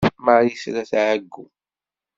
Marie tella tɛeyyu.